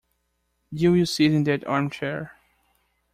You will sit in that arm-chair.